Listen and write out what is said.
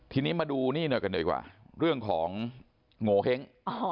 ทีนี้มาดูนี่หน่อยกันดีกว่าเรื่องของโงเห้ง